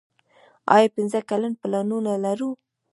آیا پنځه کلن پلانونه لرو؟